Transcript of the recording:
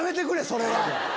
それは。